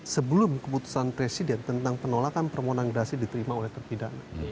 sebelum keputusan presiden tentang penolakan permohonan gerasi diterima oleh terpidana